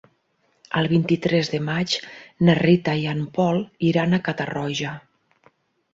El vint-i-tres de maig na Rita i en Pol iran a Catarroja.